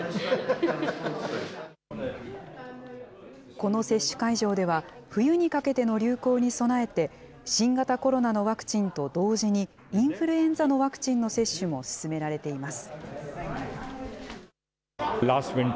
この接種会場では、冬にかけての流行に備えて、新型コロナのワクチンと同時に、インフルエンザのワクチンの接種も進められています。